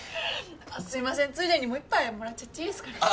すいませんついでにもう１杯もらっちゃっていいですかね？